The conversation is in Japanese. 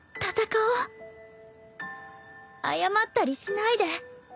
謝ったりしないで。